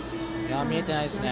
見えてないですね。